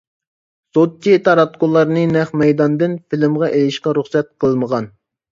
سوتچى تاراتقۇلارنى نەق مەيداندىن فىلىمغا ئىلىشقا رۇخسەت قىلمىغان.